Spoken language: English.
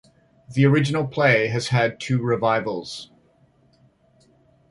The original play has had two revivals.